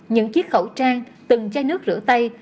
những chiếc khẩu trang từng chai nước rửa tay